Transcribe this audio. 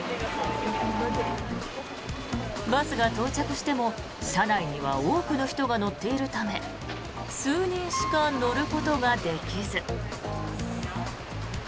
バスが到着しても車内には多くの人が乗っているため数人しか乗ることができず。